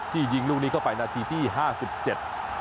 ยิงลูกนี้เข้าไปนาทีที่ห้าสิบเจ็ด